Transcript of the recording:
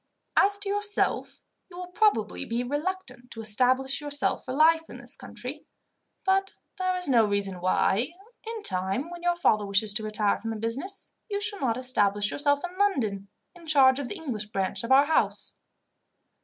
As to yourself, you will probably be reluctant to establish yourself for life in this country; but there is no reason why, in time, when your father wishes to retire from business, you should not establish yourself in London, in charge of the English branch of our house."